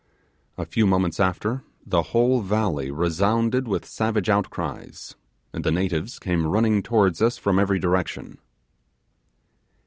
A few moments after the whole valley resounded with savage outcries, and the natives came running towards us from every direction.